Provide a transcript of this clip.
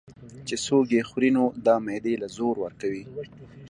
چې څوک ئې خوري نو دا معدې له زور ورکوي